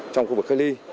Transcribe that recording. trong khu vực cách ly